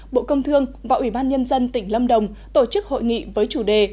bộ công thương và ủy ban nhân dân tỉnh lâm đồng tổ chức hội nghị với chủ đề